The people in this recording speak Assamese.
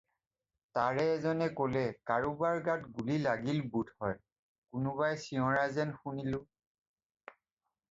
"তাৰে এজনে ক'লে- "কাৰোবাৰ গাত গুলি লাগিল বোধকৰোঁ কোনোবাই চিঞৰা যেন শুনিলোঁ ৷"